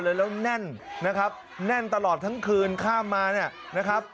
แล้วแน่นนะครับแน่นตลอดทั้งคืนข้ามมาเนี่ยนะครับ